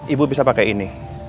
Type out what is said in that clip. ibu bisa pakai ini